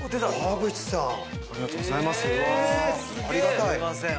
わぁありがたい。